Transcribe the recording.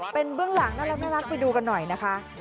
เป็นเบื้องหลังน่ารักไปดูกันหน่อยนะคะ